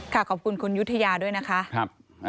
ขอบคุณคุณยุธยาด้วยนะคะ